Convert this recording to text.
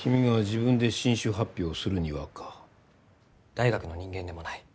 大学の人間でもない。